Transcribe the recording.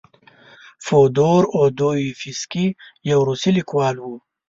فودور اودویفسکي یو روسي لیکوال و.